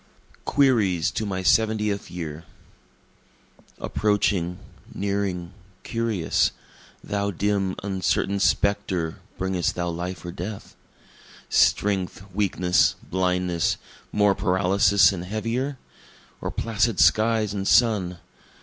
Queries to My Seventieth Year Approaching, nearing, curious, Thou dim, uncertain spectre bringest thou life or death? Strength, weakness, blindness, more paralysis and heavier? Or placid skies and sun?